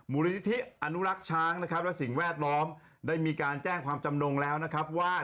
มูลนิธิอนุรักษ์ช้างนะครับและสิ่งแวดล้อมได้มีการแจ้งความจำนงแล้วนะครับว่า